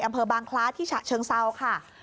อำเภอบางคล้าที่ฉะเชิงเซาค่ะ